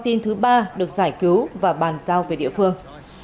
đến đêm ngày một mươi bốn tháng sáu con tin thứ ba được giải cứu và bàn giao về địa phương